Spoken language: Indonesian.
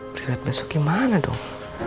berikut besok gimana dong